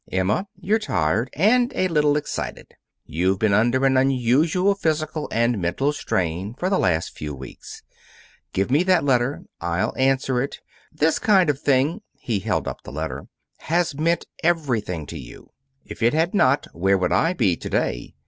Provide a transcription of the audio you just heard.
"Emma, you're tired, and a little excited. You've been under an unusual physical and mental strain for the last few weeks. Give me that letter. I'll answer it. This kind of thing" he held up the letter "has meant everything to you. If it had not, where would I be to day?